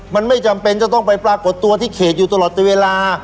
มันไม่จำเป็นจะต้องไปปรากฏตัวที่เขตอยู่ตลอดเวลา